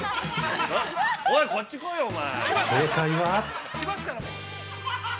おい、こっち来いよ、お前！